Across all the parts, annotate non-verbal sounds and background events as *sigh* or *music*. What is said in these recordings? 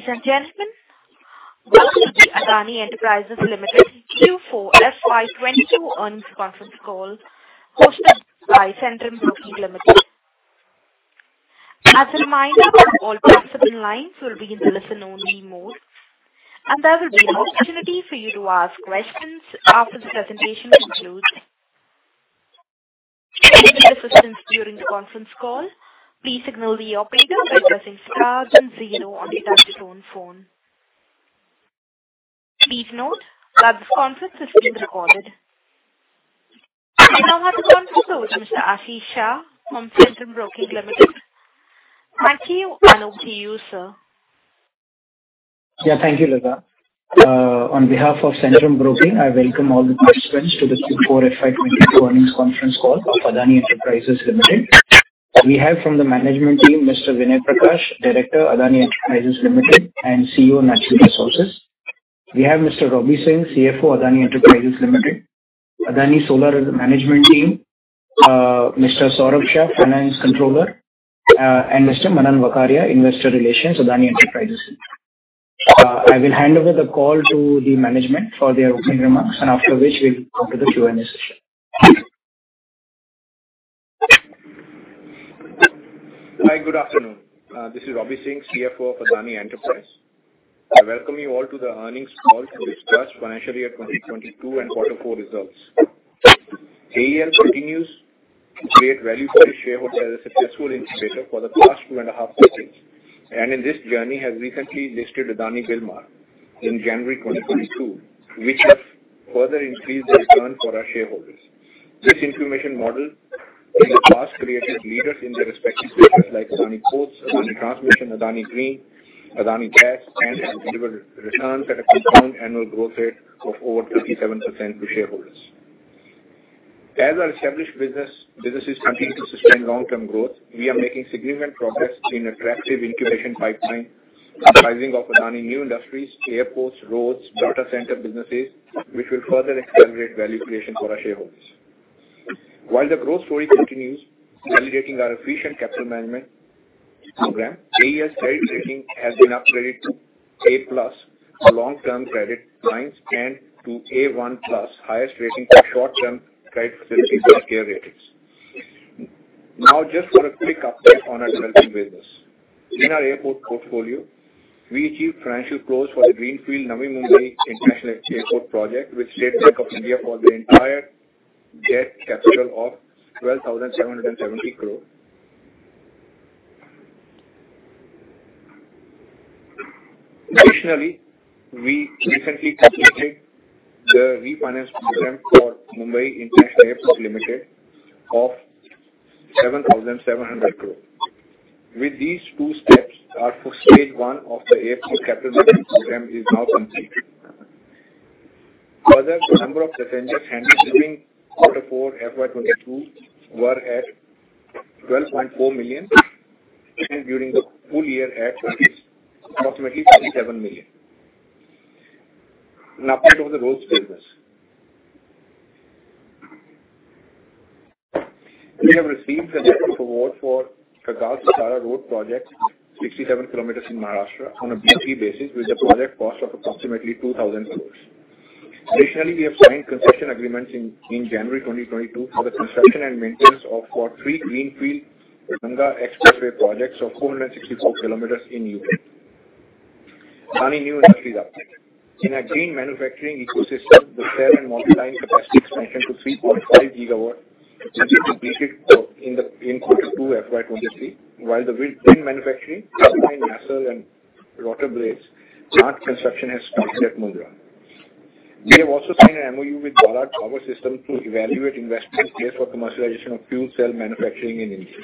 Good day, ladies and gentlemen. Welcome to the Adani Enterprises Limited Q4 FY 2022 earnings conference call hosted by Centrum Broking Limited. As a reminder, all participant lines will be in the listen-only mode, and there will be an opportunity for you to ask questions after the presentation concludes. If you need assistance during the conference call, please signal the operator by pressing star then zero on your touchtone phone. Please note that this conference is being recorded. I now hand the conference over to Mr. Ashish Shah from Centrum Broking Limited. Ashish, over to you, sir. Yeah, thank you, Lizan. On behalf of Centrum Broking, I welcome all the participants to this Q4 FY22 earnings conference call of Adani Enterprises Limited. We have from the management team Mr. Vinay Prakash, Director, Adani Enterprises Limited and CEO, Natural Resources. We have Mr. Robbie Singh, CFO, Adani Enterprises Limited. Adani Solar management team, Mr. Saurabh Shah, Finance Controller, and Mr. Manan Vakharia, Investor Relations, Adani Enterprises Limited. I will hand over the call to the management for their opening remarks, and after which we'll come to the Q&A session. Hi, good afternoon. This is Robbie Singh, CFO of Adani Enterprises. I welcome you all to the earnings call to discuss financial year 2022 and quarter four results. AEL continues to create value for the shareholders as a successful incubator for the past two and a half decades, and in this journey has recently listed Adani Wilmar in January 2022, which has further increased the return for our shareholders. This incubation model in the past created leaders in their respective spaces like Adani Ports, Adani Transmission, Adani Green, Adani Gas, and has delivered returns at a compound annual growth rate of over 57% to shareholders. As our established business, businesses continue to sustain long-term growth, we are making significant progress in attractive incubation pipeline comprising of Adani New Industries, airports, roads, data center businesses, which will further accelerate value creation for our shareholders. While the growth story continues, validating our efficient capital management program, AEL's credit rating has been upgraded to A+ for long-term credit lines and to A1+, highest rating for short-term credit facilities by CARE Ratings. Now just for a quick update on our developing business. In our airport portfolio, we achieved financial close for the greenfield Navi Mumbai International Airport project with State Bank of India for the entire debt capital of INR 12,770 crore. Additionally, we recently completed the refinance program for Mumbai International Airport Limited of 7,700 crore. With these two steps, our first stage one of the airport capitalization program is now complete. Further, the number of passengers handled during quarter four FY 2022 were at 12.4 million and during the full year at approximately 37 million. An update on the roads business. We have received the letter of award for Kagal-Satara Road project, 67 kilometers in Maharashtra on a BOT basis with a project cost of approximately 2,000 crore. We have signed concession agreements in January 2022 for the construction and maintenance of 43 greenfield Ganga Expressway projects of 464 kilometers in Uttar Pradesh. Adani New Industries update. In our green manufacturing ecosystem, the cell and module line capacity expansion to 3.5 GW is expected to be fit for quarter two FY 2023. While the wind blade manufacturing turbine nacelle and rotor blades plant construction has started at Mundra. We have also signed an MOU with Ballard Power Systems to evaluate investment case for commercialization of fuel cell manufacturing in India.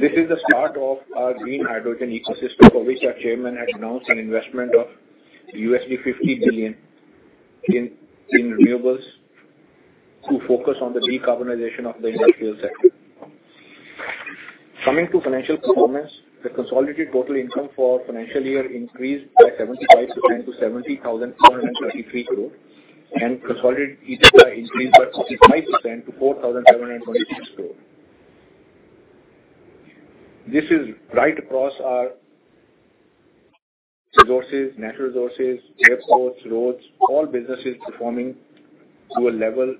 This is the start of our green hydrogen ecosystem, for which our chairman had announced an investment of $50 billion in renewables to focus on the decarbonization of the industrial sector. Coming to financial performance, the consolidated total income for financial year increased by 75% to 70,433 crore and consolidated EBITDA increased by 65% to 4,726 crore. This is right across our resources, natural resources, airports, roads, all businesses performing to a level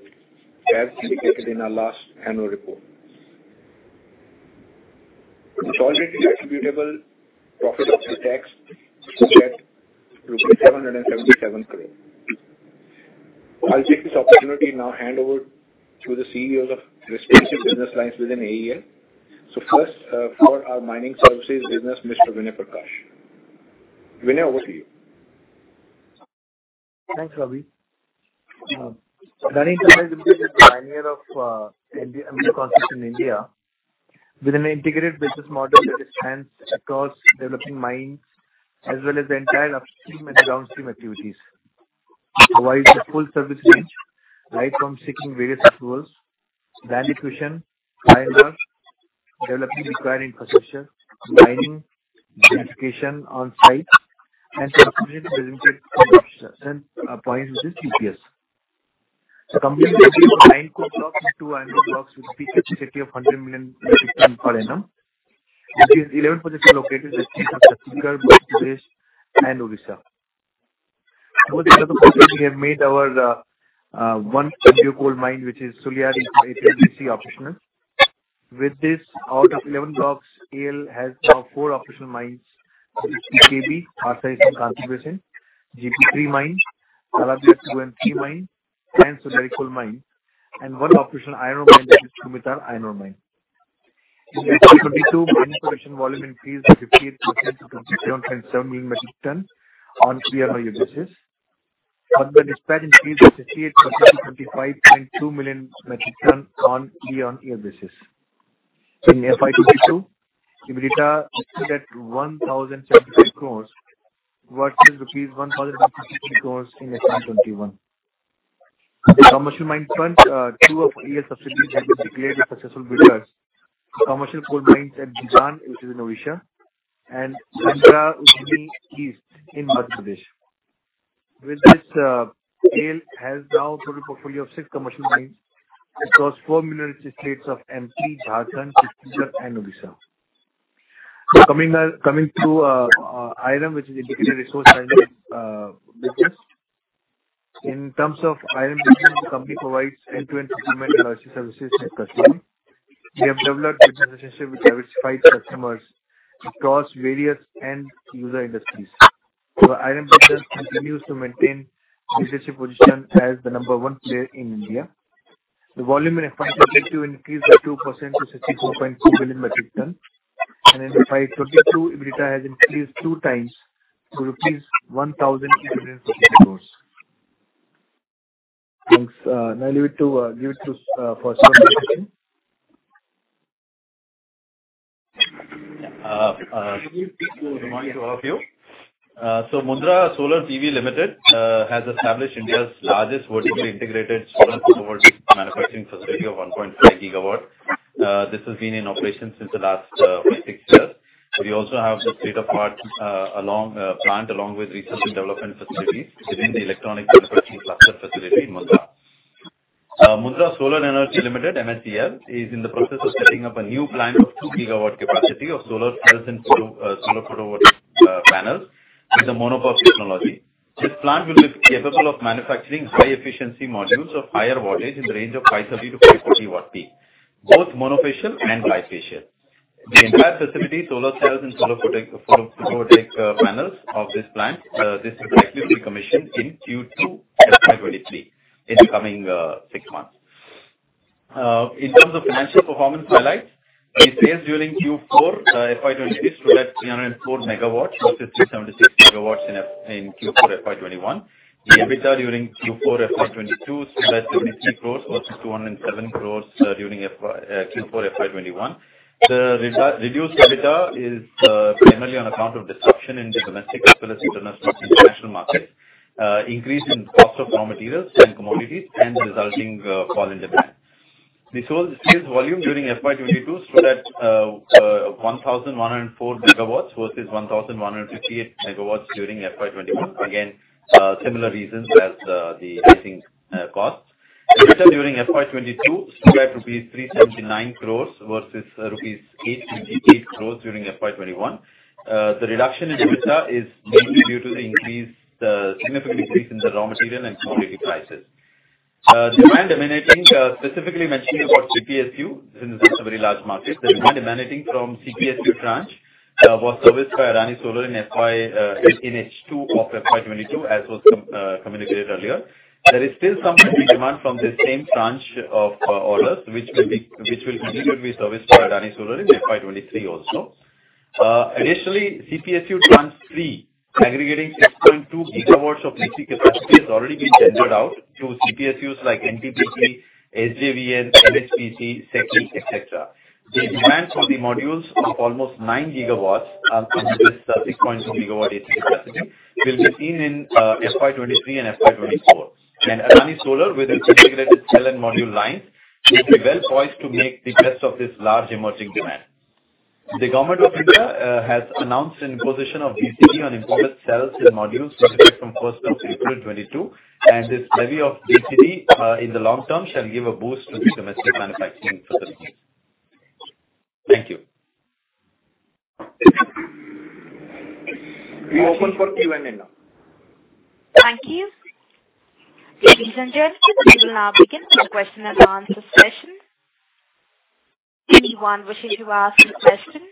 as indicated in our last annual report. Consolidated attributable profit after tax stood at 777 crore. I'll take this opportunity now hand over to the CEOs of respective business lines within AEL. First, for our mining services business, Mr. Vinay Prakash. Vinay, over to you. Thanks, Robbie. Adani Enterprises is the pioneer of mining concessions in India with an integrated business model that extends across developing mines as well as the entire upstream and downstream activities, provides a full service range right from seeking various approvals, land acquisition, mine work, developing required infrastructure, mining, beneficiation on site and subsequently delivering coal to our customers at points within CPP. The company has nine coal blocks and two iron blocks with peak capacity of 100 million metric tons per annum. These eleven projects are located at Chhattisgarh, Madhya Pradesh, and Odisha. Out of these projects, we have operationalized one coal mine, which is Suliyari, it is now operational. With this, out of eleven blocks, AEL has now four operational mines, which is PEKB, Parsa East and Kanta Basan, Gare Palma III mine, Talabira II and III mine, and Suliyari coal mine, and one operational iron mine that is Kurmitar Iron Ore Mine. In FY 2022, mine production volume increased 58% to 27.7 million metric tons year-on-year. Coal dispatch increased 58% to 25.2 million metric tons year-on-year. In FY 2022, EBITDA stood at INR 1,076 crore vs. INR 1,063 crore in FY 2021. The commercial mine front, two of AEL subsidiaries have been declared with successful bidders. Commercial coal mines at Bijahan, which is in Odisha, and Chandkhari East in Madhya Pradesh. With this, AEL has now total portfolio of six commercial mines across four mineral states of MP, Jharkhand, Chhattisgarh, and Odisha. Coming to iron, which is Integrated Resource Management business. In terms of iron business, the company provides end-to-end procurement and logistics services to its customers. We have developed business relationship with diversified customers across various end user industries. Iron business continues to maintain leadership position as the number one player in India. The volume in FY 2022 increased by 2% to 64.2 million metric tons. In FY 2022, EBITDA has increased two times to INR 1,368 crores. Thanks. Now, leave it to for solar discussion. Good morning to all of you. Mundra Solar PV Limited has established India's largest vertically integrated solar photovoltaic manufacturing facility of 1.5 GW. This has been in operation since the last five-six years. We also have the state-of-the-art advanced plant along with research and development facilities within the electronic manufacturing cluster facility in Mundra. Mundra Solar Energy Limited, MSEL, is in the process of setting up a new plant of 2 GW capacity of solar cells and solar photovoltaic panels with a mono PERC technology. This plant will be capable of manufacturing high efficiency modules of higher wattage in the range of 530-540 W, both monofacial and bifacial. The entire facility, solar cells and solar photovoltaic panels of this plant, this is expected to be commissioned in Q2 FY 2023, in the coming six months. In terms of financial performance highlights, EPC during Q4 FY 2022 stood at 304 MW versus 376 MW in Q4 FY 2021. The EBITDA during Q4 FY 2022 stood at 73 crore versus INR 207 crore during Q4 FY 2021. The reduced EBITDA is primarily on account of disruption in the domestic as well as international market, increase in cost of raw materials and commodities and resulting fall in demand. The solar sales volume during FY 2022 stood at 1,104 MW versus 1,158 MW during FY 2021. Again, similar reasons as the rising costs. EBITDA during FY 2022 stood at INR 379 crores versus rupees 1,858 crores during FY 2021. The reduction in EBITDA is mainly due to the significant increase in the raw material and commodity prices. Demand emanating, specifically mentioning about CPSU since it's a very large market. The demand emanating from CPSU tranche was serviced by Adani Solar in H2 of FY 2022, as was communicated earlier. There is still some demand from the same tranche of orders which will continue to be serviced by Adani Solar in FY 2023 also. Additionally, CPSU Tranche 3 aggregating 6.2 gigawatts of AC capacity has already been tendered out to CPSUs like NTPC, SJVN, NHPC, SECI, etc. The demand for the modules of almost 9 gigawatts, this 6.2 gigawatt AC capacity will be seen in FY 2023 and FY 2024. Adani Solar with its integrated cell and module line will be well poised to make the best of this large emerging demand. The Government of India has announced imposition of BCD on imported cells and modules with effect from first of April 2022, and this levy of BCD in the long term shall give a boost to the domestic manufacturing facilities. Thank you. We open for Q&A now. Thank you. Ladies and gentlemen, we will now begin the question and answer session. Anyone wishing to ask a question,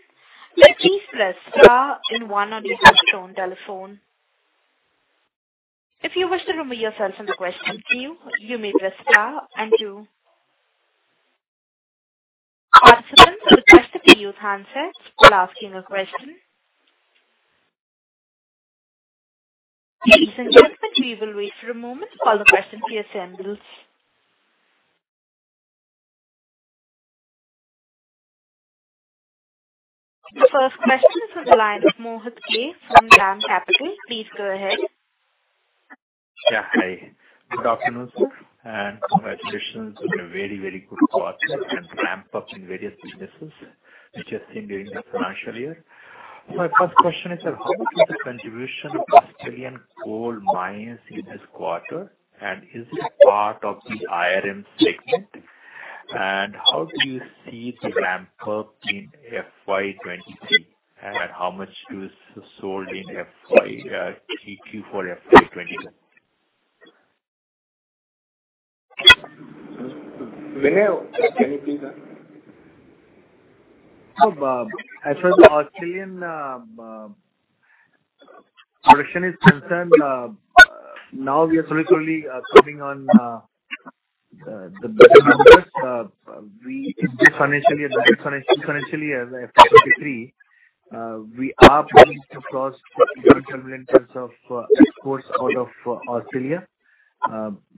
please press star then one on your touchtone telephone. If you wish to remove yourself from the question queue, you may press star and two. Participants will be requested to mute handsets while asking a question. Ladies and gentlemen, we will wait for a moment while the questions are assembled. The first question is from the line of Mohit *inaudible* from DAM Capital. Please go ahead. Yeah. Hi. Good afternoon, sir, and congratulations on a very, very good quarter and ramp-up in various businesses which you've seen during this financial year. My first question is that how much is the contribution of Australian coal mines in this quarter, and is it part of the IRM segment? How do you see the ramp up in FY 2023, and how much was sold in FY, TQ for FY 2023? Vinay, can you please answer? Oh, Mohit, as far as the Australian production is concerned, now we are slowly coming on the better numbers. It is financially FY 2023. We are planning to cross beyond terminal in terms of exports out of Australia.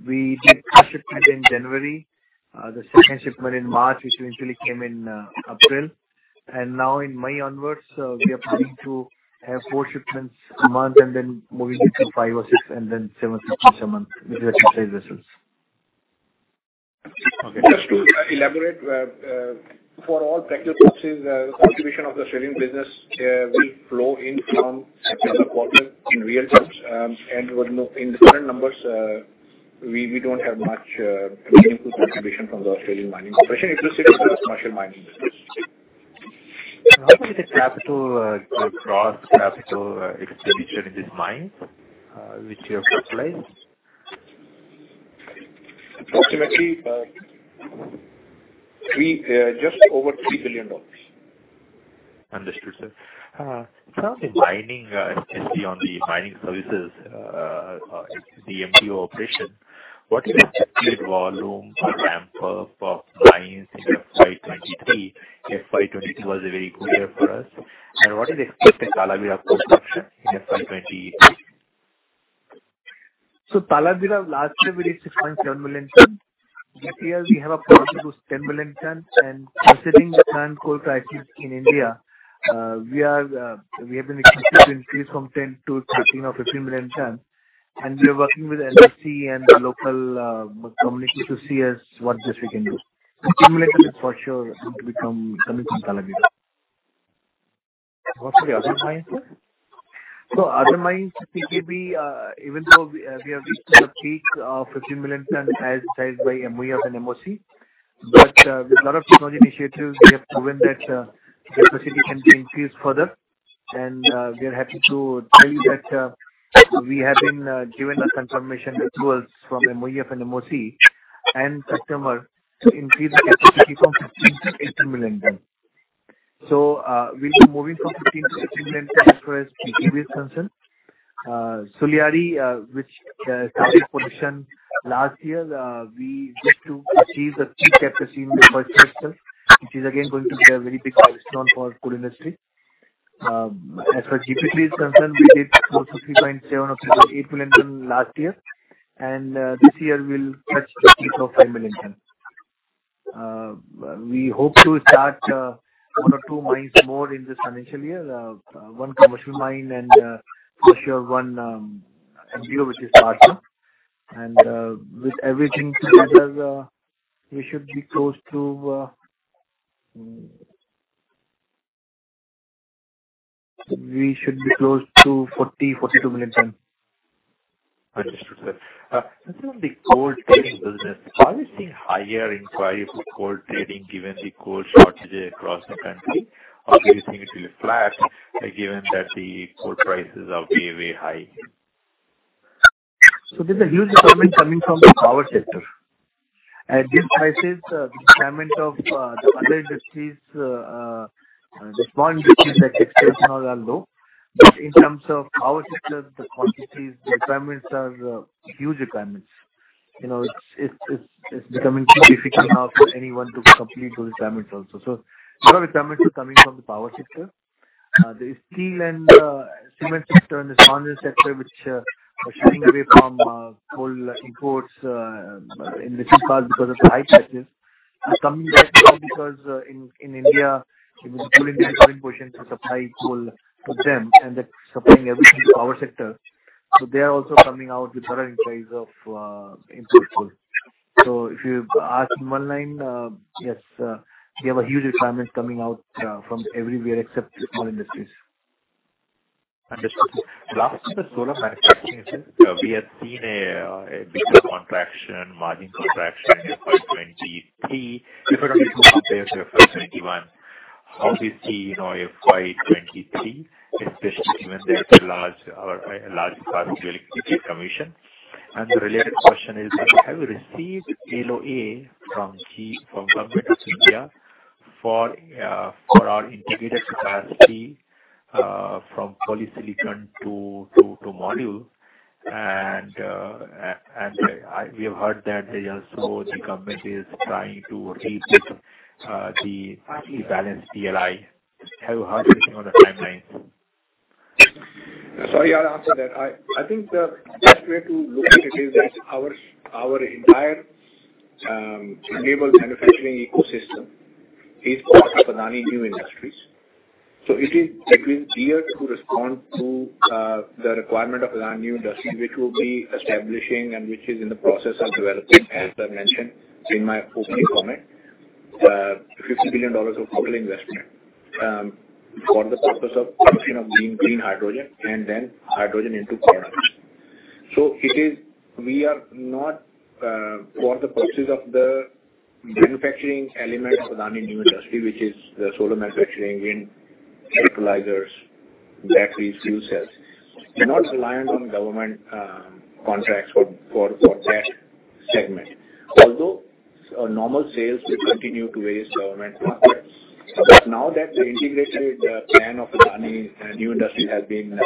We did first shipment in January, the second shipment in March, which eventually came in April. Now in May onwards, we are planning to have four shipments a month, and then moving it to five or six, and then seven shipments a month with the Q3 results. Okay. Just to elaborate, for all practical purposes, contribution of the Australian business will flow in from the second quarter in real terms. In the current numbers, we don't have much meaningful contribution from the Australian mining operation, especially the commercial mining business. How is the capital, the gross capital expenditure in this mine, which you have capitalized? Ultimately, just over $3 billion. Understood, sir. Now the mining, especially on the mining services, the MDO operation, what is the expected volume or ramp up of mines in FY 2023? FY 2022 was a very good year for us. What is expected Talabira production in FY 2023? Talabira last year we did 6.7 million tons. This year we have a project of 10 million tons. Considering the current coal prices in India, we expect to increase from 10 to 13 or 15 million tons. We are working with NLC and the local community to see what best we can do. 10 million is for sure going to become something from Talabira. What's the other mines, sir? Other mines, PEKB, even though we have reached the peak of 15 million tons as desired by MoEF and MoC, but with a lot of technology initiatives, we have proven that the capacity can be increased further. We are happy to tell you that we have been given a confirmation approvals from MoEF and MoC and customer to increase the capacity from 15 to 18 million tons. We'll be moving from 15 to 18 million tons as far as PEKB is concerned. Suliyari, which started production last year. We get to achieve the peak capacity in the first semester, which is again going to be a very big milestone for our coal industry. As far as GP3 is concerned, we did 450.7 or 450.8 million tons last year. This year we'll touch the peak of 5 million tons. We hope to start one or two mines more in this financial year. One commercial mine and for sure one MDO which is larger. With everything together, we should be close to 40-42 million tons. Understood, sir. Considering the coal trading business, are we seeing higher inquiry for coal trading given the coal shortages across the country? Or do you think it will be flat, given that the coal prices are way high? There's a huge requirement coming from the power sector. At these prices, the requirement of, the other industries, the small industries like textiles and all are low. In terms of power sector, the quantities, the requirements are huge requirements. It's becoming too difficult now for anyone to complete those requirements also. A lot of requirements are coming from the power sector. The steel and, cement sector and the fertilizer sector which, are shying away from, coal imports, in recent past because of the high prices. It's coming back now because in India, it was fueling the exporting portion to supply coal to them, and that's supplying everything to power sector. They are also coming out with better inquiries of import coal. If you ask in one line, yes, we have a huge requirement coming out from everywhere except small industries. Understood. Lastly, the solar manufacturing business. We have seen a bigger contraction, margin contraction in FY 2023 if we compare to FY 2021. How do you see, you know, FY 2023, especially given that it's a large part of your EPS contribution? The related question is that you have received LOA from Government of India for our integrated capacity from polysilicon to module. We have heard that the government is trying to revisit the parity-based PLI. Have you heard anything on the timeline? Sorry, I'll answer that. I think the best way to look at it is that our entire enabled manufacturing ecosystem is part of Adani New Industries. It is built entirely to respond to the requirement of Adani New Industries which will be establishing and which is in the process of developing, as I mentioned in my opening comment. $50 billion of total investment for the purpose of production of green hydrogen, and then hydrogen into products. We are not for the purposes of the manufacturing element of Adani New Industries, which is the solar manufacturing and fertilizers, batteries, fuel cells. We're not reliant on government contracts for that segment. Although our normal sales will continue to various government markets. Now that the integrated plan of Adani New Industries has been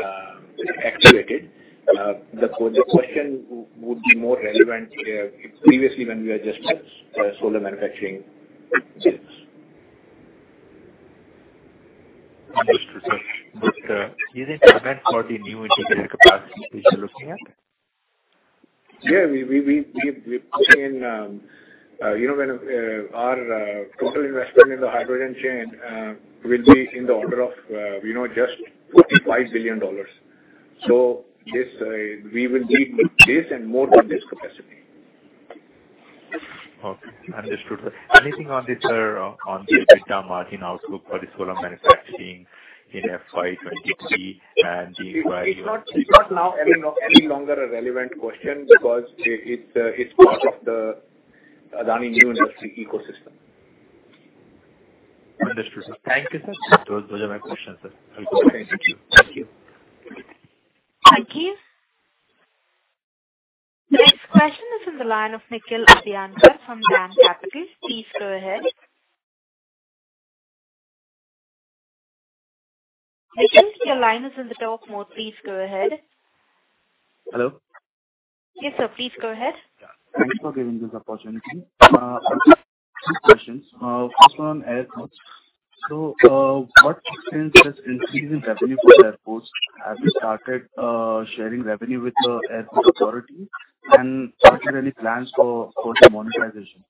activated, the question would be more relevant previously when we were just a solar manufacturing business. Understood, sir. Is it correct for the new integrated capacity which you're looking at? We've put in, you know, our total investment in the hydrogen chain will be in the order of, you know, just $45 billion. We will need this and more than this capacity. Okay. Understood. Anything on the EBITDA margin outlook for the solar manufacturing in FY 2023 and the- It's not now any longer a relevant question because it's part of the Adani New Industries ecosystem. Understood, sir. Thank you, sir. Those were my questions, sir. Okay. Thank you. Hi. *inaudible* The next question is from the line of Nikhil *inaudible* from DAM Capital. Please go ahead. Nikhil, your line is on the talk mode. Please go ahead. Hello. Yes, sir. Please go ahead. Thanks for giving this opportunity. Two questions. First one on airports. To what extent has revenue increased for the airports? Have you started sharing revenue with the Airports Authority of India and are there any plans for further monetization?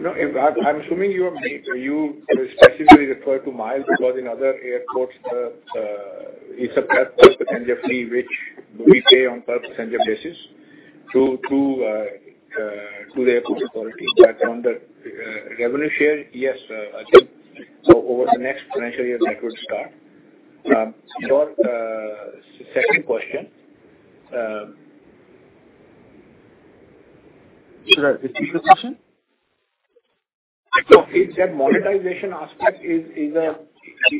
No, in fact, you specifically refer to miles because in other airports, it's a per passenger fee which we pay on per passenger basis to the Airports Authority of India. On the revenue share, yes, I think so over the next financial year that would start. For second question, Should I repeat the question? It's a monetization aspect.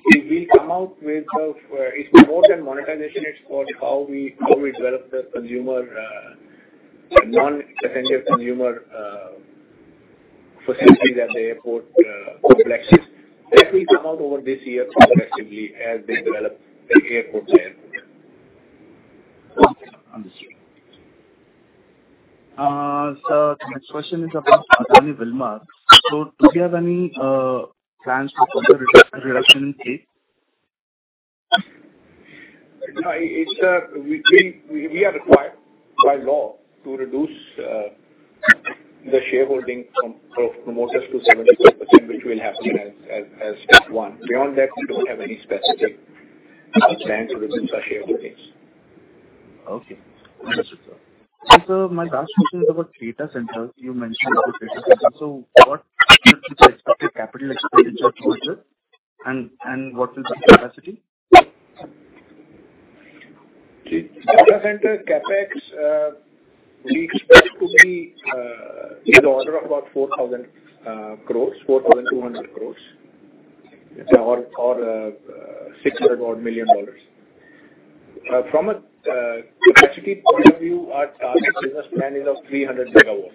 We'll come out with it. It's more than monetization. It's for how we develop the consumer non-defensive consumer facilities at the airport complexes. That we come out over this year progressively as they develop the airports there. Okay. Understood. Next question is about Adani Wilmar. Do you have any plans for further reduction in stake? No. It's we are required by law to reduce the shareholding from promoters to 74%, which we have done as step one. Beyond that, we don't have any specific plan to reduce our shareholdings. Okay. Understood, sir. Sir, my last question is about data centers. You mentioned the data centers. What should we expect the capital expenditure towards it and what will be the capacity? Data center CapEx, we expect to be in the order of about 4,000 crores, 4,200 crores. It's $600-odd million. From a capacity point of view, our target business plan is of 300 MW,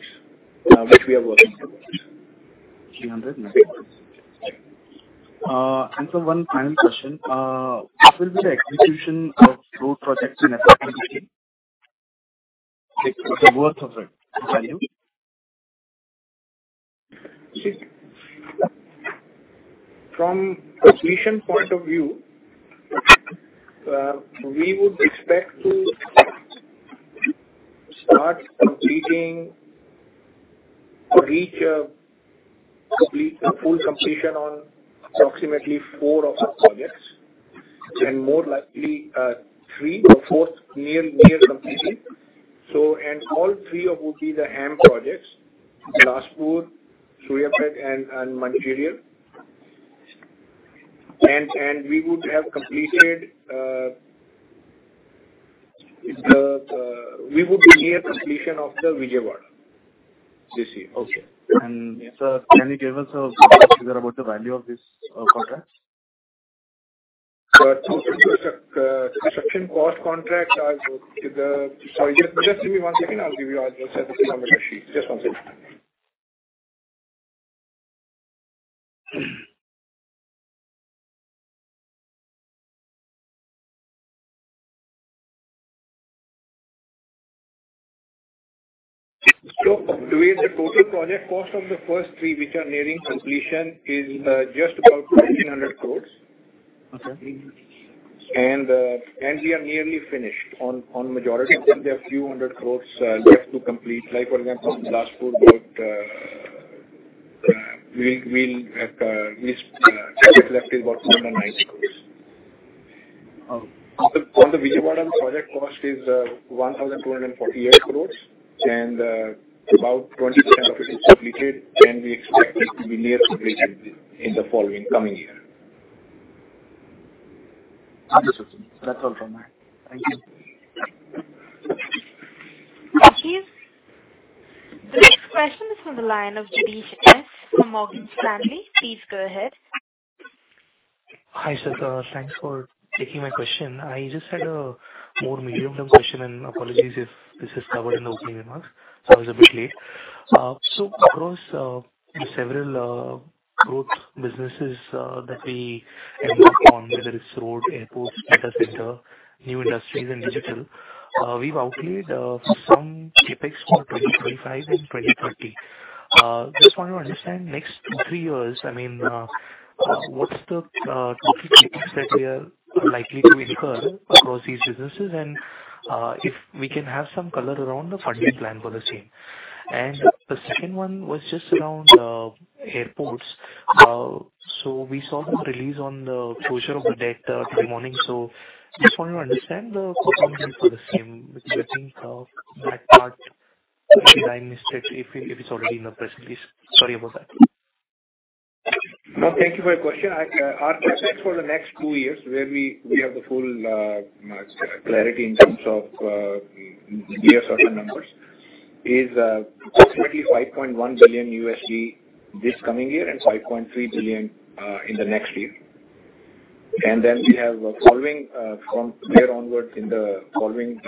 which we are working towards. 300 MW. Sir, one final question. What will be the execution of road projects in FY 2023? The worth of it, the value. From completion point of view, we would expect to start completing or reach a full completion on approximately four of our projects, and more likely, three or four near completion. All three would be the HAM projects, Gwalior, Suryapet, and Mancherial. We would be near completion of the Vijayawada this year. Okay. Sir, can you give us a rough figure about the value of these contracts? Just give me one second. I'll give you our statistic on the sheet. Just one second. To give the total project cost of the first three which are nearing completion is just about 1,900 crores. Okay. We are nearly finished on majority of them. There are few hundred crores left to complete. Like for example, Gwalior. We'll have this left is about 990 crores. Okay. On the Vijayawada project, cost is 1,248 crores and about 20% of it is completed, and we expect it to be near completion in the following coming year. Understood. That's all from me. Thank you. The next question is from the line of *inaudible* from Morgan Stanley. Please go ahead. Hi, sir. Thanks for taking my question. I just had a more medium-term question, and apologies if this is covered in the opening remarks. Sorry it's a bit late. So across the several growth businesses that we embark on, whether it's road, airports, data center, new industries and digital, we've outlaid some CapEx for 2025 and 2030. Just want to understand next three years, I mean, what's the total CapEx that we are likely to incur across these businesses? And if we can have some color around the funding plan for the same. And the second one was just around airports. So we saw the release on the closure of the debt today morning. Just want to understand the performance for the same, which I think that part if I missed it, if it's already in the press release. Sorry about that. No, thank you for your question. Our CapEx for the next two years, where we have the full clarity in terms of near certain numbers, is approximately $5.1 billion this coming year and $5.3 billion in the next year. Then, from there onwards, in the following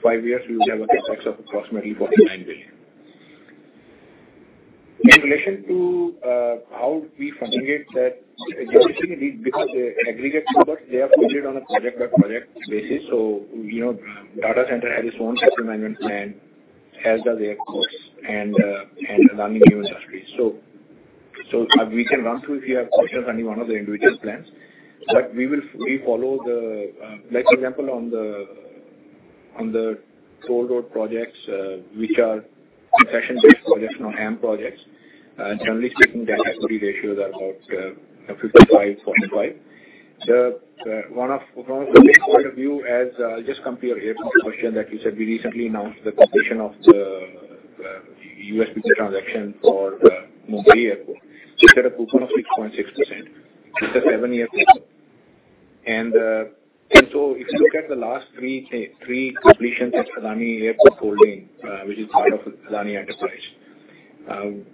five years, we will have a CapEx of approximately $49 billion. In relation to how we fund it, everything is because the aggregate numbers are quoted on a project-by-project basis. So, you know, data center has its own capital management plan, as does airports and Adani New Industries. So, we can run through if you have questions on any one of the individual plans. We follow the like example on the toll road projects which are concession-based projects, you know, HAM projects. Generally speaking, the equity ratios are about 55/45. One of from this point of view, as just come to your airport question that you said, we recently announced the completion of the U.S. EBITDA transaction for Mumbai Airport. It's at a coupon of 6.6%. It's a seven-year term. If you look at the last three completions at Adani Airport Holdings, which is part of Adani Enterprises,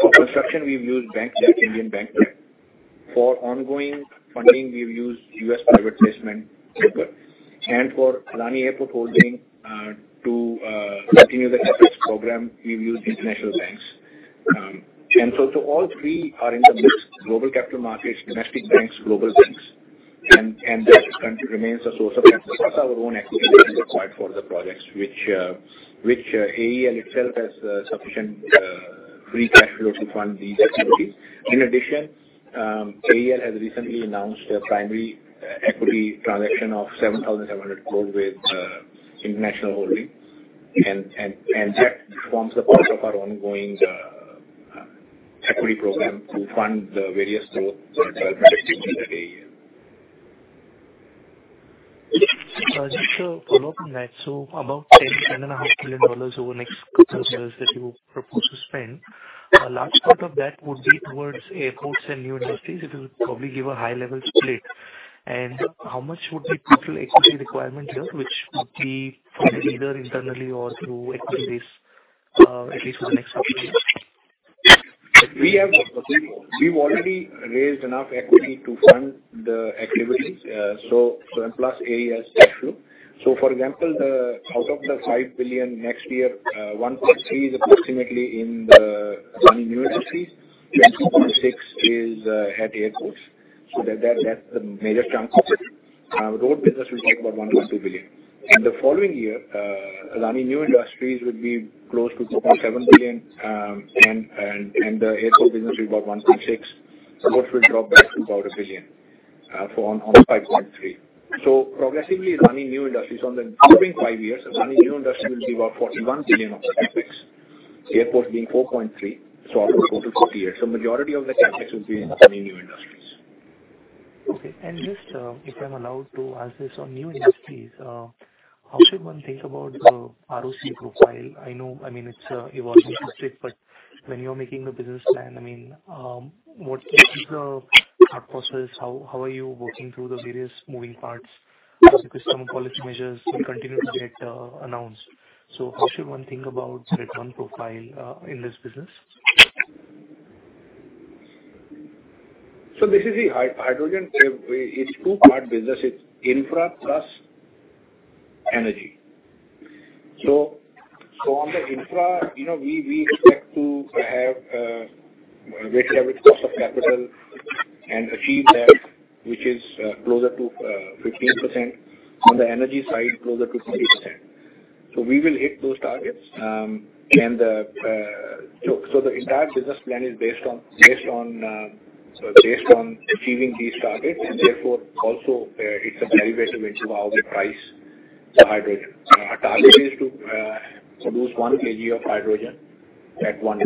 for construction we've used banks like Indian Bank. For ongoing funding, we've used U.S. private placement paper. For Adani Airport Holdings to continue the CapEx program, we've used international banks. Too, all three are in the mix, global capital markets, domestic banks, global banks, and this country remains a source of capital. Plus our own equity that is required for the projects which AEL itself has sufficient free cash flow to fund these activities. In addition, AEL has recently announced a primary equity transaction of 7,700 crore with International Holding Company. That forms the part of our ongoing equity program to fund the various growth initiatives within AEL. Just a follow-up on that. About $10-$10.5 billion over next couple years that you propose to spend, a large part of that would be towards airports and new industries. If you'll probably give a high-level split. How much would be total equity requirement here, which would be funded either internally or through equity base, at least for the next couple of years? We've already raised enough equity to fund the activities plus AEL's cash flow. For example, out of the $5 billion next year, $1.3 billion is approximately in the Adani New Industries, and $2.6 billion is at airports. That's the major chunk of it. Road business will take about $1.2 billion. The following year, Adani New Industries will be close to $2.7 billion. The airport business will be about $1.6 billion. Roads will drop back to about $1 billion for on $5.3 billion. Progressively Adani New Industries on the following five years, Adani New Industries will give up $41 billion of the CapEx, airports being $4.3 billion. Over four-five years, the majority of the CapEx will be in Adani New Industries. Okay. Just, if I'm allowed to ask this on New Industries, how should one think about the ROC profile? I know, I mean, it's evolving sector, but when you're making the business plan, I mean, what is the thought process? How are you working through the various moving parts as the government policy measures continue to get announced? How should one think about return profile in this business? This is the hydrogen. It's two-part business. It's infra plus energy. On the infra, we expect to have a weighted average cost of capital and achieve that which is closer to 15%. On the energy side, closer to 20%. We will hit those targets. The entire business plan is based on achieving these targets and therefore also, it's a derivative into our price. The hydrogen. Our target is to produce one kg of hydrogen at one.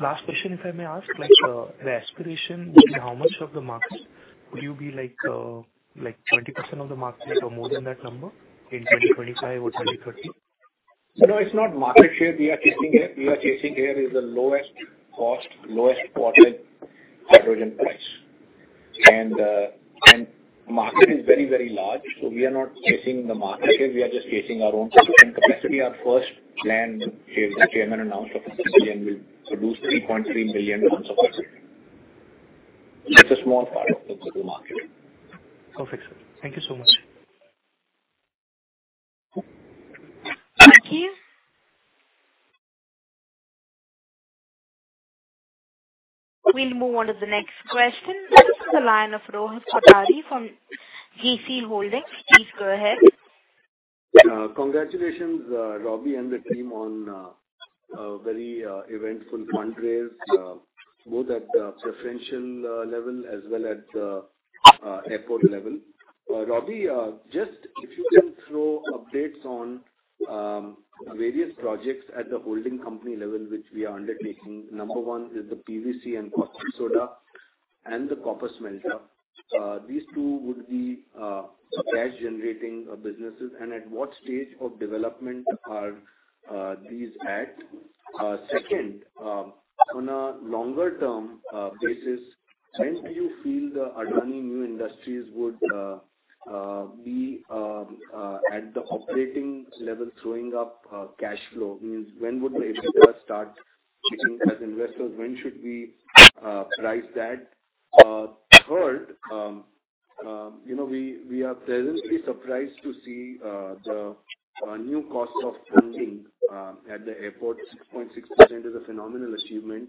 Last question, if I may ask. Like, the aspiration would be how much of the market would you be, like, 20% of the market or more than that number in 2025 or 2030? No, it's not market share we are chasing here. What we are chasing here is the lowest cost, lowest green hydrogen price. Market is very, very large, so we are not chasing the market share. We are just chasing our own capacity. Our first plan, the chairman announced of $1 billion will produce 3.3 billion tons of hydrogen. That's a small part of the global market. Perfect, sir. Thank you so much. Thank you. We'll move on to the next question. This is the line of Rohit Kothari from GeeCee Holdings. Please go ahead. Congratulations, Robbie and the team on a very eventful fundraise, both at the preferential level as well at the airport level. Robbie, just if you can throw updates on various projects at the holding company level which we are undertaking. Number one is the PVC and soda and the copper smelter. These two would be cash generating businesses and at what stage of development are these at? Second, on a longer term basis, when do you feel the Adani New Industries would be at the operating level throwing up cash flow? Means when would the investors start looking as investors? When should we price that? Third, you know, we are presently surprised to see the new cost of funding at the airport. 6.6% is a phenomenal achievement.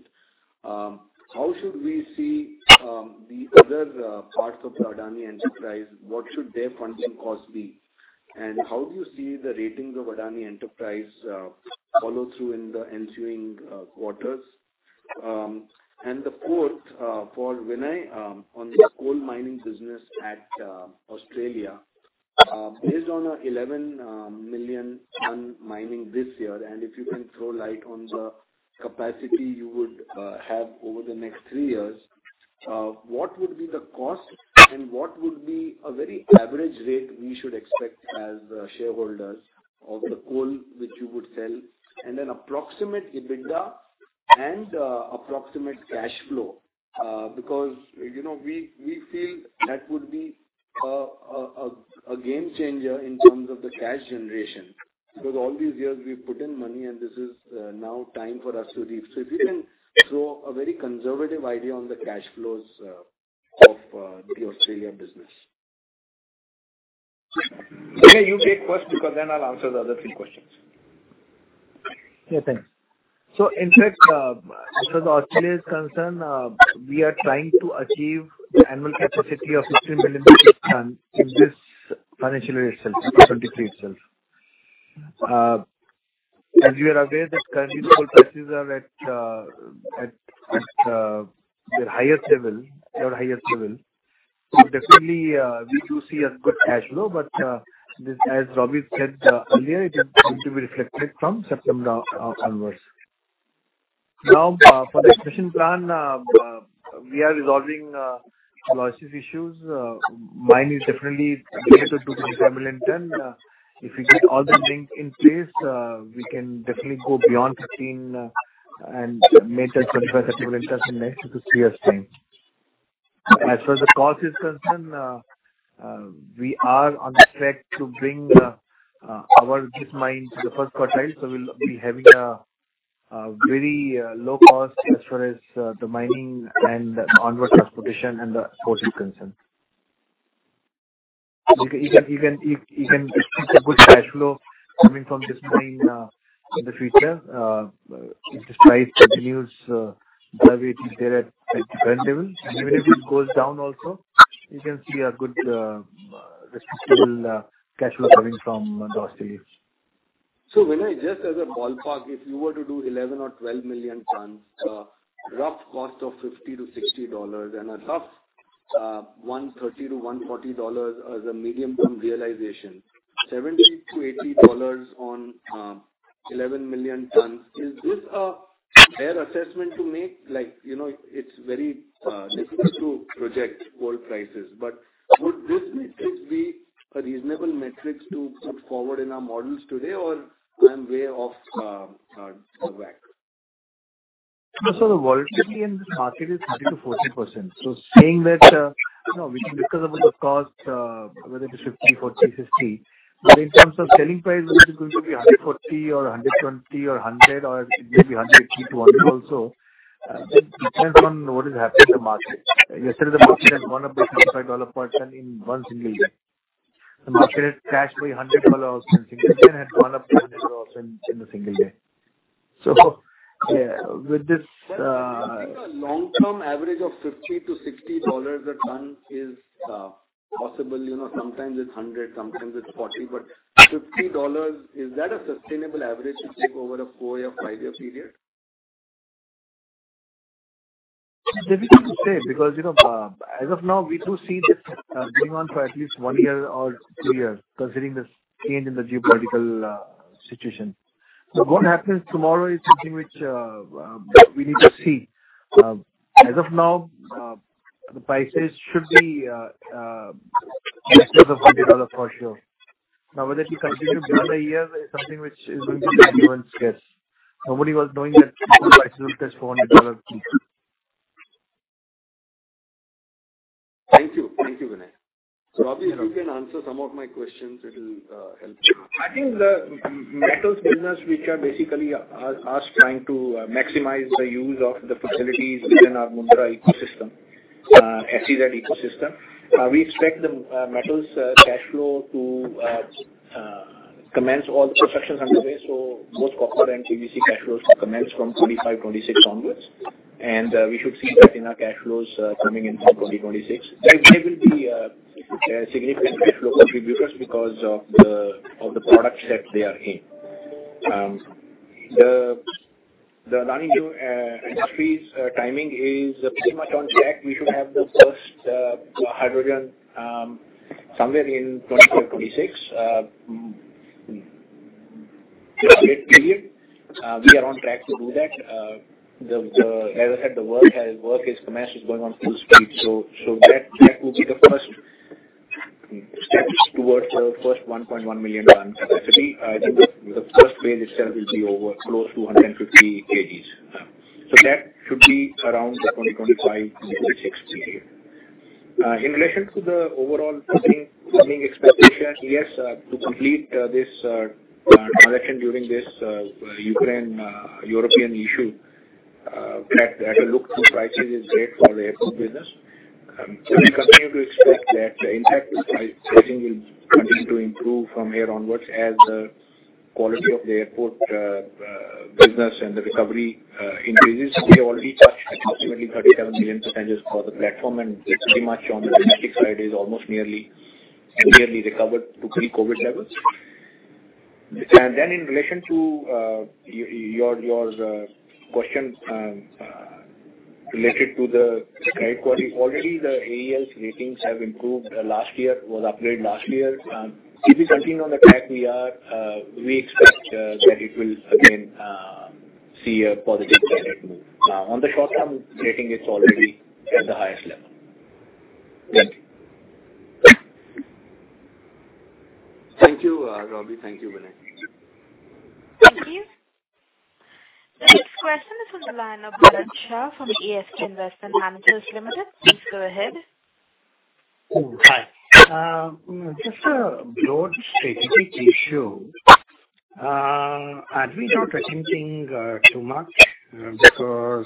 How should we see the other parts of Adani Enterprises? What should their funding cost be? And how do you see the ratings of Adani Enterprises follow through in the ensuing quarters? And the fourth, for Vinay Prakash, on the coal mining business in Australia. Based on 11 million tons mining this year, and if you can throw light on the capacity you would have over the next three years, what would be the cost and what would be a very average rate we should expect as shareholders of the coal which you would sell, and then approximate EBITDA and approximate cash flow. Because you know, we feel that would be a game changer in terms of the cash generation. Because all these years we've put in money and this is now time for us to reap. If you can throw a very conservative idea on the cash flows of the Australia business. Vinay, you take first because then I'll answer the other three questions. Yeah, thanks. In fact, as far as Australia is concerned, we are trying to achieve annual capacity of 16 million tons in this financial year itself, 2023 itself. As you are aware that currently the coal prices are at their highest level ever. Definitely, we do see a good cash flow. This as Robbie said earlier, it is going to be reflected from September onwards. Now, for the expansion plan, we are resolving logistics issues. Mine is definitely related to the 10 million ton. If we get all the links in place, we can definitely go beyond 15 and may touch 25 equivalent tons in next two to three years' time. As far as the cost is concerned, we are on track to bring this mine to the first quartile, so we'll be having a very low cost as far as the mining and onward transportation and the port is concerned. You can expect a good cash flow coming from this mine in the future if the price continues the way it is there at current level. Even if it goes down also, you can see a good respectable cash flow coming from Australia. Vinay, just as a ballpark, if you were to do 11 or 12 million tons, rough cost of $50-$60 and a rough $130-$140 as a medium-term realization, $70-$80 on 11 million tons. Is this a fair assessment to make? Like, you know, it's very difficult to project coal prices, but would this be a reasonable metric to put forward in our models today, or I'm way off the mark? The volatility in this market is 30%-40%. Saying that, you know, we can discuss about the cost, whether it is $50, $40, $60. In terms of selling price, whether it is going to be $140 or $120 or $100 or maybe $100-$200 also, it depends on what is happening in the market. Yesterday the market had gone up by $25 per ton in one single day. The market had crashed by $100 in single day, and had gone up to $100 in a single day. Yeah, with this, I think a long-term average of $50-$60 a ton is possible. You know, sometimes it's 100, sometimes it's 40. But $50, is that a sustainable average to take over a four-year, five-year period? It's difficult to say because, you know, as of now, we do see this going on for at least one year or two years considering this change in the geopolitical situation. What happens tomorrow is something which we need to see. As of now, the prices should be in excess of $100 for sure. Now, whether it will continue beyond the year is something which is going to be anyone's guess. Nobody was knowing that oil prices will touch $100. Thank you. Thank you, Vinay. Robbie, if you can answer some of my questions, it'll help. I think the metals business which are basically trying to maximize the use of the facilities within our Mundra ecosystem, SEZ ecosystem. We expect the metals cash flow to commence. All constructions underway. Both copper and PVC cash flows commence from 25-26 onwards. We should see that in our cash flows coming in from 2026. They will be significant cash flow contributors because of the products that they are in. The Adani New Industries timing is pretty much on track. We should have the first hydrogen somewhere in 2025-2026. The update period we are on track to do that. As I said, the work has commenced, it's going on full speed. That will be the first steps towards the first 1.1 million-ton capacity. The first phase itself will be over close to 150 kgs. That should be around the 2025, 2026 period. In relation to the overall earning expectation, yes, to complete this transaction during this Ukraine European issue at look-through prices is great for the airport business. We continue to expect that the impact pricing will continue to improve from here onwards as the quality of the airport business and the recovery increases. We already touched approximately 37 million passengers for the platform, and it's pretty much on the domestic side is almost nearly recovered to pre-COVID levels. In relation to your question related to the acquisitions. Already the AEL's ratings have improved last year, was upgraded last year. If we continue on the track we are, we expect that it will again see a positive credit move. On the short-term rating, it's already at the highest level. Thank you. Thank you, Robbie. Thank you, Vinay. Thank you. The next question is from the line of *inaudible* from ESB Investment Managers Limited. Please go ahead. Hi. Just a broad strategic issue. Are we not attempting too much? Because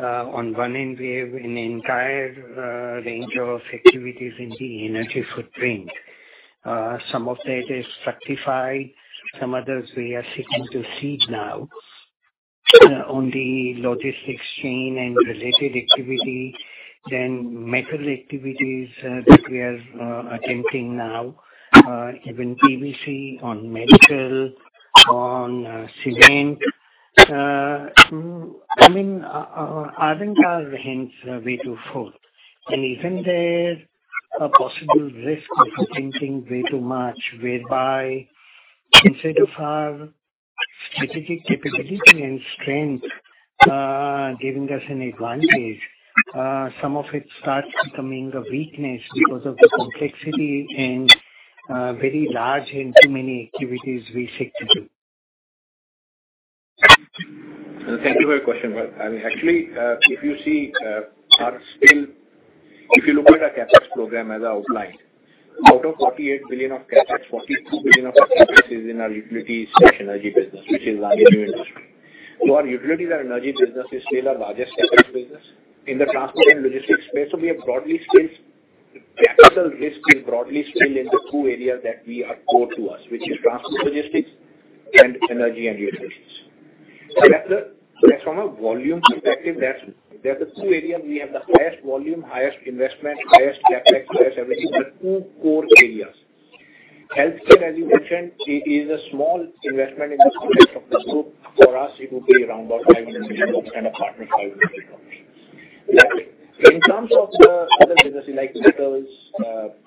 on one end we have an entire range of activities in the energy footprint. Some of that is structured, some others we are seeking now on the logistics chain and related activity. Then metals activities that we are attempting now, even PVC on metals, on cement. I mean, aren't our hands way too full? Even there a possible risk of attempting way too much, whereby instead of our strategic capability and strength giving us an advantage, some of it starts becoming a weakness because of the complexity and very large and too many activities we seek to do. Thank you for your question. I mean, actually, if you see, our If you look at our CapEx program as outlined, out of 48 billion of CapEx, 42 billion of our CapEx is in our utilities/energy business, which is our new industry. Our utilities, our energy business is still our largest CapEx business. In the transport and logistics space, we are broadly still. Capital risk is broadly still in the two areas that we are core to us, which is transport logistics and energy and utilities. From a volume perspective, that's the two areas we have the highest volume, highest investment, highest CapEx, highest everything, the two core areas. Healthcare, as you mentioned, it is a small investment in the context of the group. For us, it would be around about $5 million and a partner $5 million. In terms of the other businesses like metals,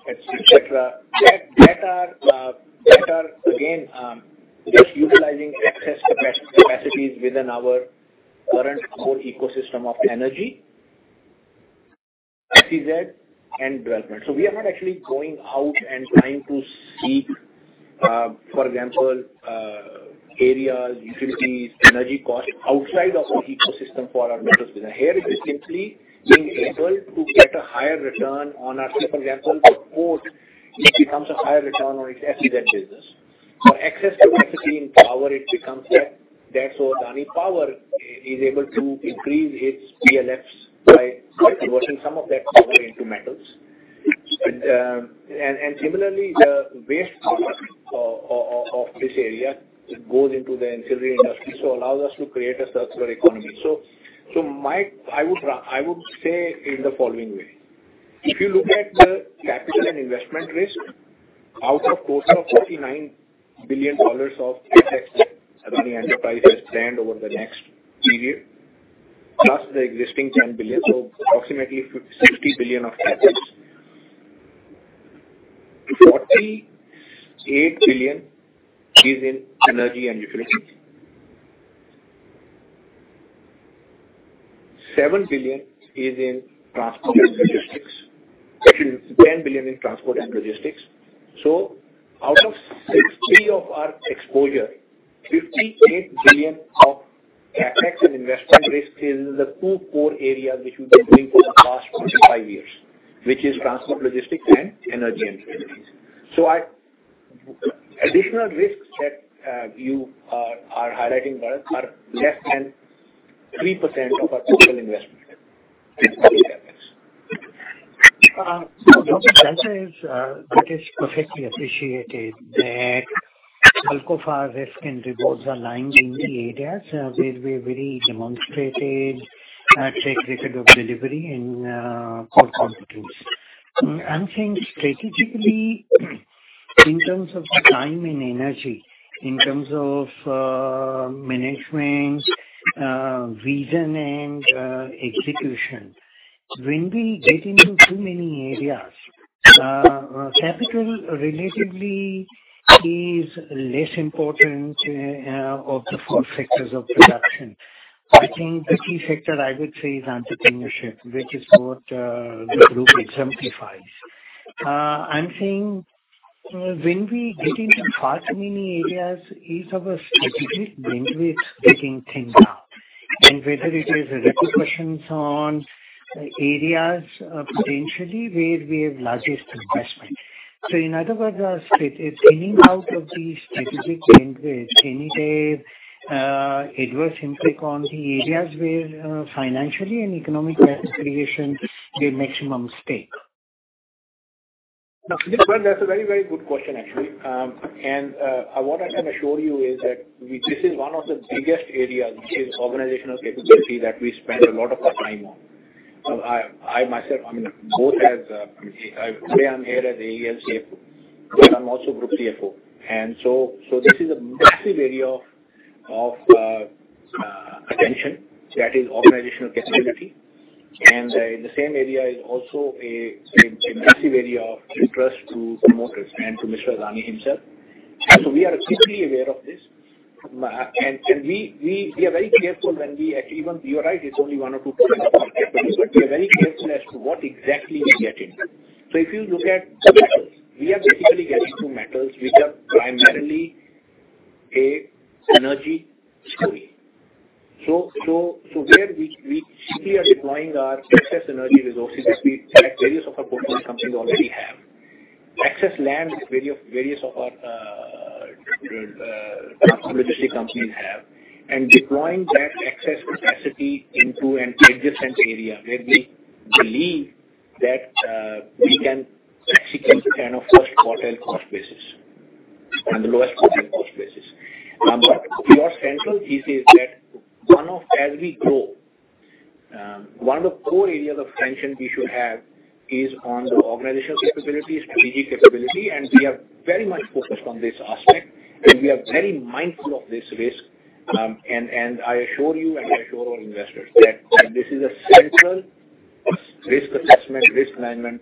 et cetera, that are again just utilizing excess capacities within our current core ecosystem of energy, SEZ and development. We are not actually going out and trying to seek, for example, areas, utilities, energy costs outside of our ecosystem for our metals business. Here, it is simply being able to get a higher return on our say, for example, port, it becomes a higher return on its SEZ business. For excess capacity in power, it becomes that. That's why Adani Power is able to increase its PLFs by converting some of that power into metals. And similarly, the waste of this area goes into the ancillary industry, so allows us to create a circular economy. I would say it the following way: If you look at the capital and investment risk out of the $49 billion of CapEx that the enterprise has planned over the next period, plus the existing $10 billion, so approximately $50-$60 billion of CapEx. $48 billion is in energy and utilities. $7 billion is in transport and logistics. Excuse me, $10 billion in transport and logistics. Out of 60 of our exposure, $58 billion of CapEx and investment risk is the two core areas which we've been doing for the past 25 years, which is transport, logistics and energy and utilities. Additional risks that you are highlighting, Varad, are less than 3% of our total investment in those areas. No, the answer is that is perfectly appreciated that bulk of our risk and rewards are lying in the areas where we have really demonstrated track record of delivery and core competence. I'm saying strategically, in terms of time and energy, in terms of management vision and execution. When we get into too many areas, capital relatively is less important of the four factors of production. I think the key factor I would say is entrepreneurship, which is what the group exemplifies. I'm saying when we get into far too many areas, is our strategic bandwidth breaking things down? Whether it is repercussions on areas potentially where we have largest investment. In other words, strategic thinning out of the strategic bandwidth, can it adversely impact on the areas where, financially and economic value creation, we have maximum stake? No, that's a very, very good question, actually. What I can assure you is that this is one of the biggest areas, which is organizational capability that we spend a lot of our time on. I myself, I mean, today I'm here as AEL CFO, but I'm also group CFO. This is a massive area of attention that is organizational capability. The same area is also a massive area of interest to promoters and to Gautam Adani himself. We are acutely aware of this. We are very careful even at one or two points of our capital, but we are very careful as to what exactly we get into. If you look at metals, we are basically getting to metals which are primarily an energy story. There we are deploying our excess energy resources that various of our portfolio companies already have. Excess land various of our transport and logistics companies have. We are deploying that excess capacity into an adjacent area where we believe that we can execute kind of first-quartile cost basis and the lowest-quartile cost basis. Your central thesis is that one of as we grow, one of the core areas of tension we should have is on the organizational capability, strategic capability, and we are very much focused on this aspect, and we are very mindful of this risk. I assure you and our investors that this is a central risk assessment, risk management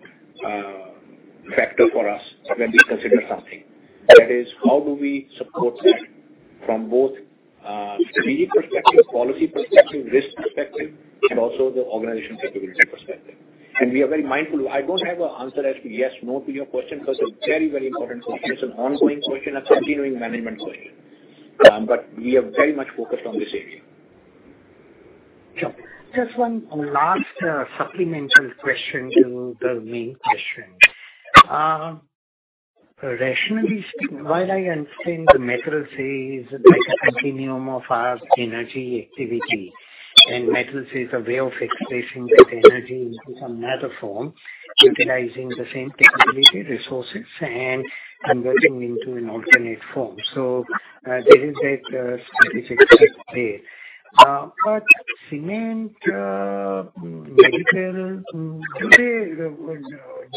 factor for us when we consider something. That is, how do we support that from both strategic perspective, policy perspective, risk perspective, and also the organizational capability perspective. We are very mindful. I don't have an answer as to yes, no to your question because it's a very, very important question. It's an ongoing question, a continuing management question. We are very much focused on this area. Sure. Just one last, supplemental question to the main question. Rationally speaking, while I understand the metals is like a continuum of our energy activity, and metals is a way of expressing that energy into another form, utilizing the same technology, resources and converting into an alternate form. There is that strategic fit there. Cement, medical, today,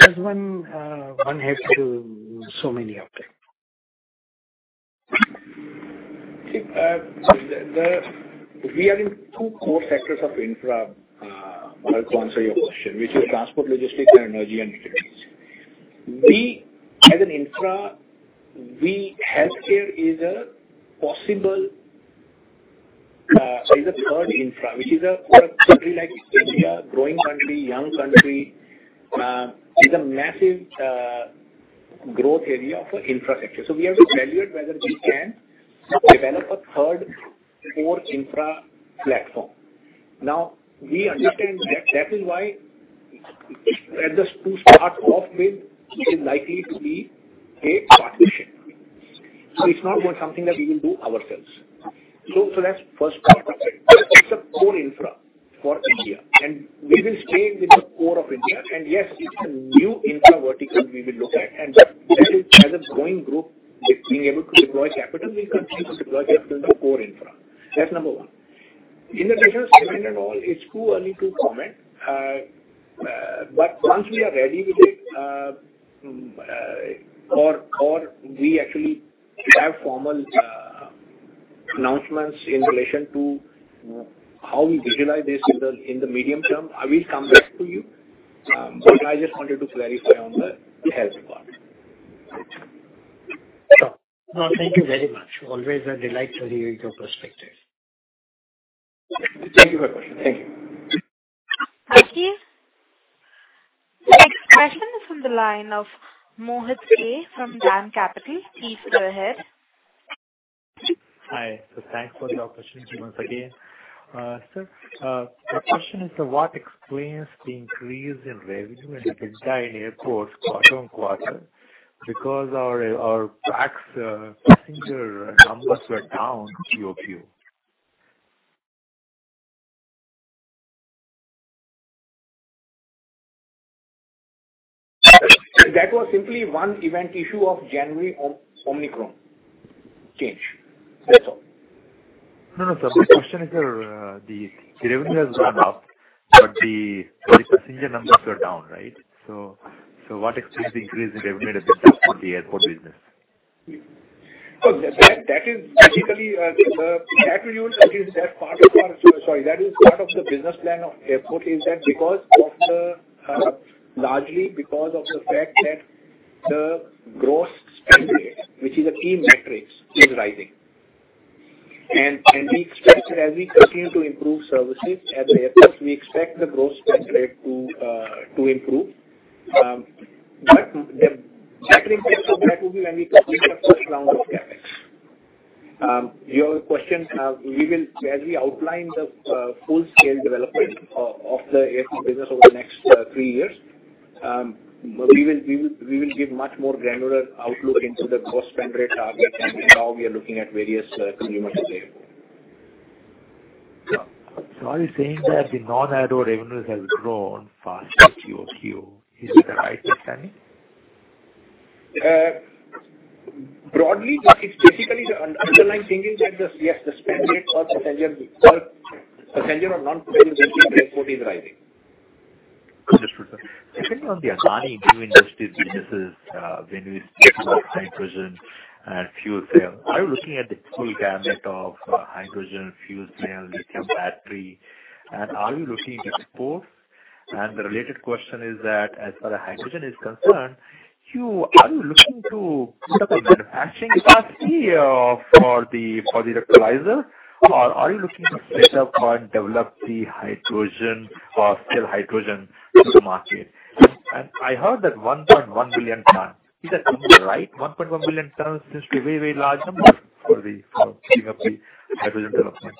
just one has to so many of them. We are in two core sectors of infra, Varad, to answer your question, which is transport, logistics, and energy and utilities. We, as an infra, see healthcare is a possible third infra, which, for a country like India, growing country, young country, is a massive growth area for infrastructure. We have to evaluate whether we can develop a third core infra platform. Now, we understand that to start off with is likely to be a partnership. It's not something that we will do ourselves. That's first part of it. It's a core infra for India, and we will stay with the core of India. Yes, it's a new infra vertical we will look at. That is, as a growing group, if we are able to deploy capital, we continue to deploy capital to core infra. That's number one. In addition, cement and all, it's too early to comment. Once we are ready with it, or we actually have formal announcements in relation to how we visualize this in the medium term, I will come back to you. I just wanted to clarify on the health part. Sure. No, thank you very much. Always a delight to hear your perspectives. Thank you very much. Thank you. Thank you. Next question is from the line of Mohit *inaudible* from DAM Capital. Please go ahead. Hi. Thanks for the opportunity once again. Sir, my question is that what explains the increase in revenue in the entire airports quarter on quarter because our PAX passenger numbers were down QOQ? That was simply one event issue of January Omicron change. That's all. No, no, sir. My question is that, the revenue has gone up, but the passenger numbers are down, right? What explains the increase in revenue that has been done for the airport business? That is basically part of the business plan of the airport because largely because of the fact that the gross spend rate, which is a key metric, is rising. We expect that as we continue to improve services at the airports, we expect the gross spend rate to improve. The base case of that will be when we complete the first round of CapEx. As we outline the full-scale development of the airport business over the next three years, we will give much more granular outlook into the gross spend rate target and how we are looking at various consumers available. Are you saying that the non-aero revenues has grown faster QOQ? Is that the right understanding? Broadly, it's basically the underlying thinking that the spend rates per passenger or non-passenger visiting the airport is rising. Understood, sir. Secondly, on the Adani New Industries businesses, when we speak about hydrogen and fuel cell, are you looking at the full gamut of hydrogen, fuel cell, lithium battery, and are you looking to export? The related question is that as far as hydrogen is concerned, are you looking to put up a manufacturing capacity for the electrolyzer, or are you looking to set up and develop the hydrogen or sell hydrogen to the market? I heard that 1.1 billion tons. Is that number right? 1.1 billion tons seems to be a very, very large number for setting up the hydrogen development.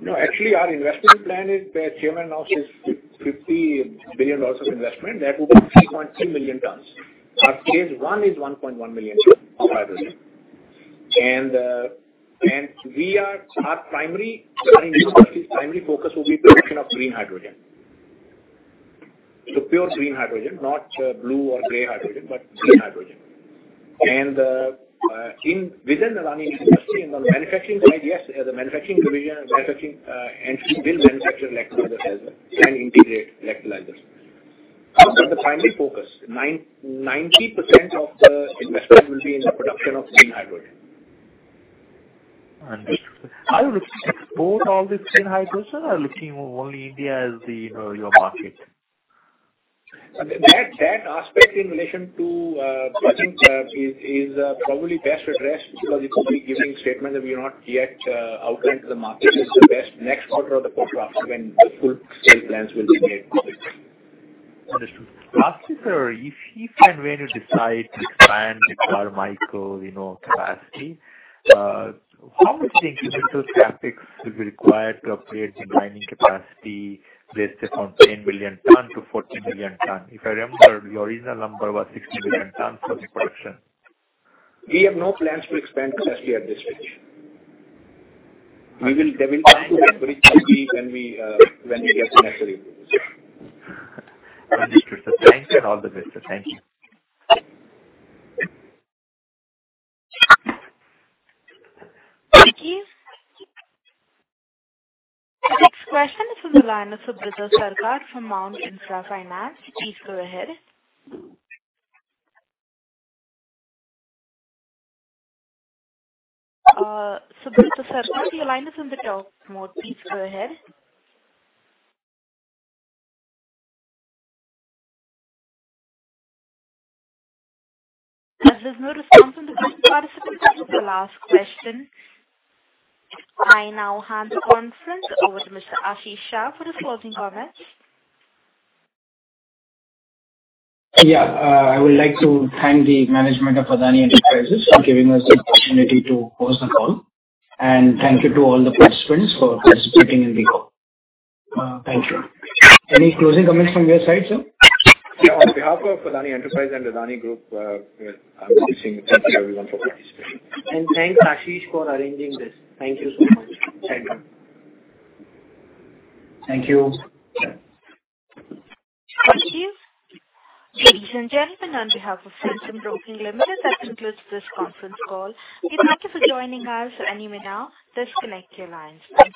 No, actually, our investment plan is the chairman announced is $50 billion of investment. That will be 3.2 million tons. Our phase one is 1.1 million tons of hydrogen. Our primary, I mean, Adani New Industries' primary focus will be production of green hydrogen. So pure green hydrogen, not blue or gray hydrogen, but green hydrogen. Within Adani New Industries, in the manufacturing side, yes, we have the manufacturing division and manufacturing and we build manufacturing electrolyzers and integrate electrolyzers. But the primary focus, 90% of the investment will be in the production of green hydrogen. Understood. Are you looking to export all this green hydrogen or are you looking only at India as your market? That aspect in relation to budgeting is probably best addressed because it will be giving statement that we are not yet outlined to the market. It is best next quarter or the quarter after when the full-scale plans will be made public. Understood. Lastly, sir, if and when you decide to expand Carmichael, you know, capacity, how much the incremental CapEx will be required to upgrade the mining capacity based upon 10 billion tons to 14 billion tons? If I remember, the original number was 16 billion tons of production. We have no plans to expand capacity at this stage. They will come to that very quickly when we get the necessary approvals. Understood, sir. Thanks and all the best, sir. Thank you. Thank you. The next question is from the line of Subrata Sarkar from Mount Intra Finance. Please go ahead. Subrata Sarkar, your line is on the talk mode. Please go ahead. As there's no response on the participant line for the last question, I now hand the conference over to Mr. Ashish Shah for his closing comments. I would like to thank the management of Adani Enterprises for giving us the opportunity to host the call. Thank you to all the participants for participating in the call. Thank you. Any closing comments from your side, sir? On behalf of Adani Enterprises and Adani Group, we wish to thank you everyone for participating. Thanks, Ashish, for arranging this. Thank you so much. Thank you. Thank you. Thank you. Ladies and gentlemen, on behalf of Centrum Broking Limited, that concludes this conference call. We thank you for joining us, and you may now disconnect your lines. Thank you.